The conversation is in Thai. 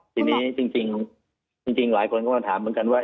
ทีนี้จริงหลายคนก็มาถามเหมือนกันว่า